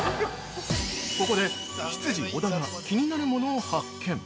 ◆ここで、執事・小田が気になるものを発見！